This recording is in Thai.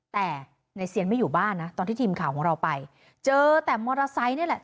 แต่ในเซียนไม่อยู่บ้านนะตอนที่ทีมข่าวของเราไปเจอแต่มอเตอร์ไซค์นี่แหละ